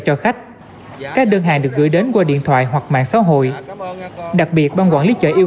cho khách các đơn hàng được gửi đến qua điện thoại hoặc mạng xã hội đặc biệt ban quản lý chợ yêu